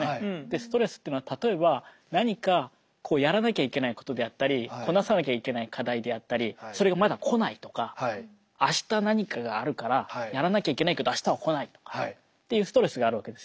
ストレスっていうのは例えば何かやらなきゃいけないことであったりこなさなきゃいけない課題であったりそれがまだ来ないとか明日何かがあるからやらなきゃいけないけど明日は来ないとかっていうストレスがあるわけですよね。